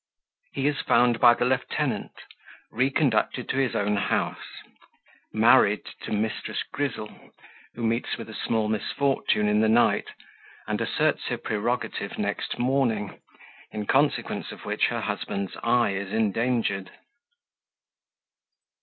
He is found by Lieutenant Reconducted to his own House Married to Mrs. Grizzle, who meets with a small misfortune in the Night, and asserts her Prerogative next Morning, in consequence of which her Husband's Eye is endangered.